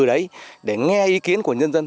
đấy để nghe ý kiến của nhân dân